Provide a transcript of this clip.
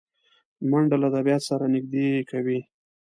منډه له طبیعت سره نږدې کوي